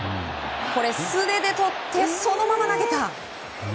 素手でとってそのまま投げた。